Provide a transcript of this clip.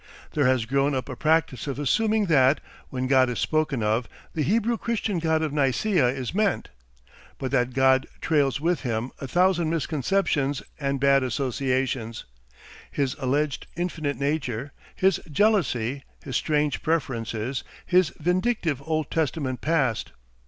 There has grown up a practice of assuming that, when God is spoken of, the Hebrew Christian God of Nicaea is meant. But that God trails with him a thousand misconceptions and bad associations; his alleged infinite nature, his jealousy, his strange preferences, his vindictive Old Testament past.